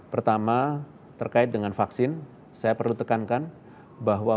pertama terkait dengan vaksin saya perlu tekankan bahwa